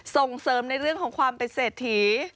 ส่งเสริมในเรื่องของความเป็นเศรษฐี